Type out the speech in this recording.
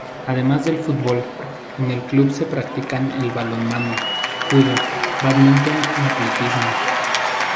Además del fútbol, en el club se practican el balonmano, judo, bádminton y atletismo.